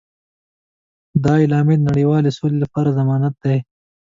دا اعلامیه د نړیوالې سولې لپاره ضمانت دی.